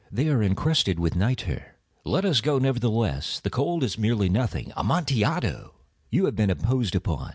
They are encrusted with nitre." "Let us go, nevertheless. The cold is merely nothing. Amontillado! You have been imposed upon.